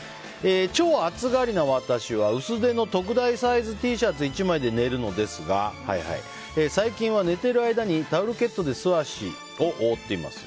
超暑がりな私は薄手の特大サイズＴシャツ１枚で寝るのですが最近は寝ている間にタオルケットで素足を覆っています。